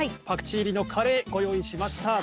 パクチー入りのカレーご用意しました。